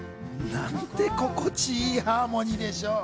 なんて心地いいハーモニーでしょう。